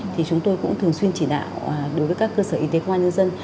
thì chúng tôi cũng thường xuyên chỉ đạo đối với các cơ sở y tế công an nhân dân